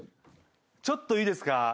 ちょっといいですか？